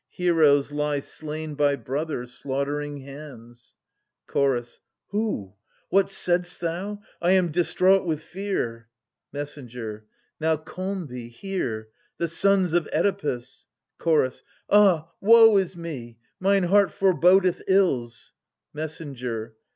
Heroes lie slain by brother slaughtering hands. Chorus. Who? — What saidst thou? I am distraught with fear ! Messenger. Now calm thee — hear : the sons of Oedipus — Chorus. Ah woe is me !— mine heart forebodeth ills ! Messenger.